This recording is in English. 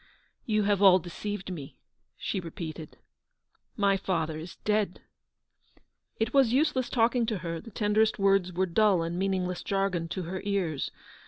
"You have all deceived me/' she repeated; "my father is dead I" It was useless talking to her; the tenderest words were dull and meaningless jargon to her ears.